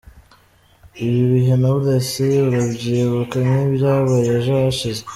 Ibi bihe Knowless arabyibuka nk’ibyabaye ejo hashize.